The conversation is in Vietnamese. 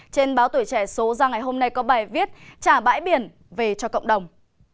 trên báo tuổi trẻ số ra ngày hôm nay có bài viết trả bãi biển về cho cộng đồng